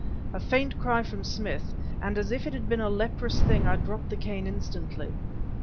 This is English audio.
A faint cry from Smith and as if it had been a leprous thing, I dropped the cane instantly.